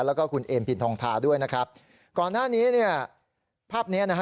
แล้วก็คุณเอมพินทองทาด้วยนะครับก่อนหน้านี้เนี่ยภาพเนี้ยนะฮะ